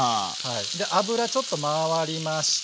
で脂ちょっと回りました。